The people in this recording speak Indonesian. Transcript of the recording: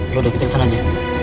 yaudah kita kesana aja